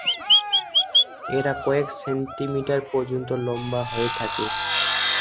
এরা কয়েক সেন্টিমিটার পর্যন্ত লম্বা হয়ে থাকে।